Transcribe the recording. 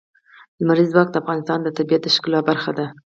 لمریز ځواک د افغانستان د طبیعت د ښکلا برخه ده.